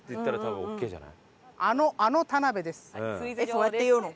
そうやって言うの？